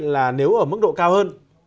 là nếu ở mức độ cao hơn